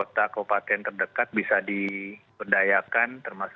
tamengnya ikut sh thursday different